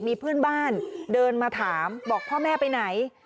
มีเพื่อนบ้านเดินมาถามบอกพ่อแม่ไปไหน